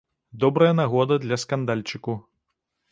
Добрая нагода для скандальчыку.